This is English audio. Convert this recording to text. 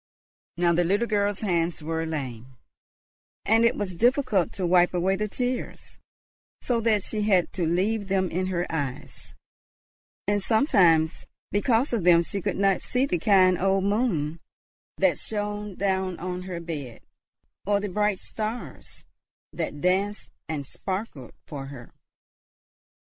Now the little girl's hands were lame, and it was difficult to wipe away the tears; so that she had to leave them in her eyes, and sometimes because of them she could not see the kind old moon that shone down on her bed, or the bright stars that danced and sparkled for her.